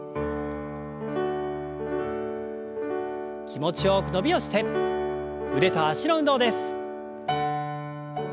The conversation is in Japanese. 気持ちよく伸びをして腕と脚の運動です。